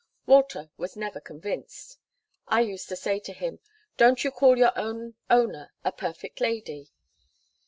Walter was never convinced. I used to say to him, "Don't you call your own owner a perfect lady?"